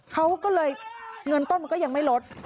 เขาก็เลยเงินต้นมันก็ยังไม่ลด